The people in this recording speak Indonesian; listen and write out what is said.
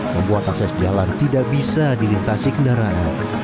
membuat akses jalan tidak bisa dilintasi kendaraan